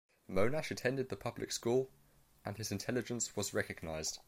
Monash attended the public school and his intelligence was recognised.